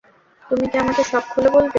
তুমি কি আমাকে সব খুলে বলবে?